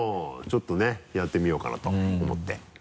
ちょっとねやってみようかなと思って。